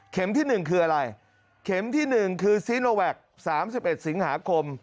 ที่๑คืออะไรเข็มที่๑คือซีโนแวค๓๑สิงหาคม